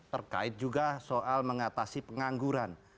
terkait juga soal mengatasi pengangguran